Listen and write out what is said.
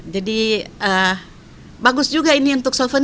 jadi bagus juga ini untuk solventi